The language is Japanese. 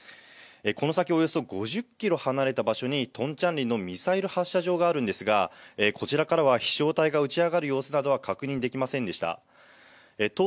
この先およそ５０キロ離れた場所にトンチャンリのミサイル発射場があるんですが、こちらからは飛しょう体が打ち上がる様子などは確認できませんでした。